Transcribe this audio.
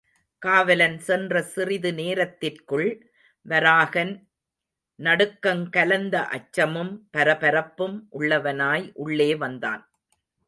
காவலன் சென்ற சிறிது நேரத்திற்குள் வராகன் நடுக்கங்கலந்த அச்சமும் பரபரப்பும் உள்ளவனாய் உள்ளே வந்தான்.